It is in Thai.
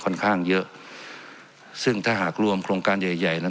ค่อนข้างเยอะซึ่งถ้าหากรวมโครงการใหญ่ใหญ่นั้น